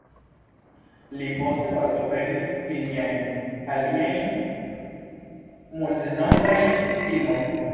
Li poste partoprenis iliajn aliajn multnombrajn filmojn.